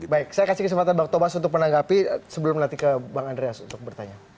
baik saya kasih kesempatan bang tobas untuk menanggapi sebelum nanti ke bang andreas untuk bertanya